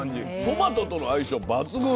トマトとの相性抜群。